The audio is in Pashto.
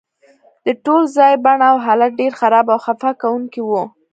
د ټول ځای بڼه او حالت ډیر خراب او خفه کونکی و